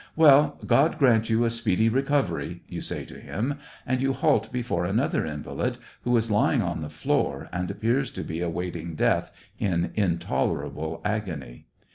" Well, God grant you a speedy recovery," you say to him, and you halt before another invalid, who is lying on the floor and appears to be awaiting death in intolerable agony.